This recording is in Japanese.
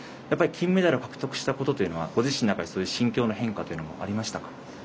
やっぱり金メダルを獲得したことというのはご自身の中で心境の変化もありましたか？